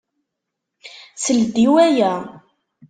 Sel-d i waya!